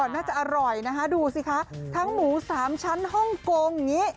น่าจะอร่อยนะดูสิค่ะทั้งหมู๓ชั้นห้องกงนิ